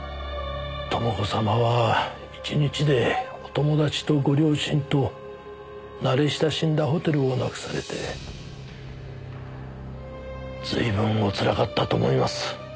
朋子様は１日でお友達とご両親と慣れ親しんだホテルをなくされて随分おつらかったと思います。